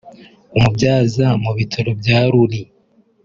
umubyaza mu bitaro bya Ruli